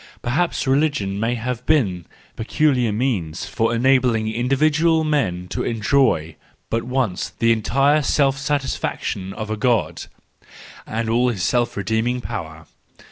Perhaps religion may have been the peculiar means for enabling individual men to enjoy but once the entire self satisfaction of a God and all his self redeeming power.